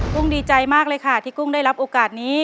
กุ้งดีใจมากเลยค่ะที่กุ้งได้รับโอกาสนี้